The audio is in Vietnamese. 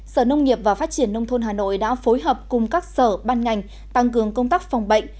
sở nông nghiệp và phát triển nông thôn hà nội đã phối hợp cùng các sở ban ngành tăng cường công tác phòng bệnh